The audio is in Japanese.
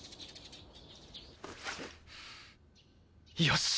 よし！